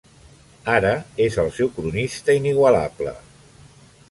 Ara és el seu cronista inigualable.